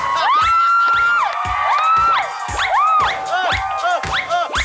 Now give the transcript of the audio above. น่ารักกิโบค่ะเขาไปตะหอนด้อง